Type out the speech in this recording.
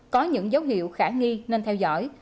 có những dấu hiệu khả nghi nên theo dõi